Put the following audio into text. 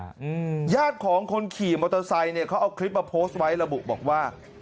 อืมญาติของคนขี่มอเตอร์ไซค์เนี้ยเขาเอาคลิปมาโพสต์ไว้ระบุบอกว่า